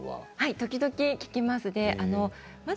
時々、聞きますね。